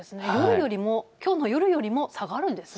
きょうの夜よりも下がるんですね。